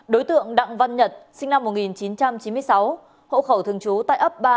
đối tượng đặng văn nhật sinh năm một nghìn chín trăm chín mươi sáu hộ khẩu thường trú tại ấp ba